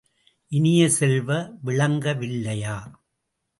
இனிய செல்வ, விளங்க வில்லையா?